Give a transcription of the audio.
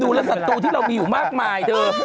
และศัตรูที่เรามีอยู่มากมายเธอ